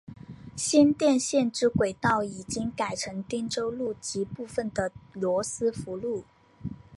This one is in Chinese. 新店线之轨道已经改成汀州路及部分的罗斯福路。